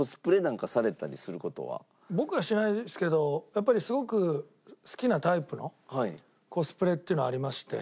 皆さん僕はしないですけどやっぱりすごく好きなタイプのコスプレっていうのはありまして。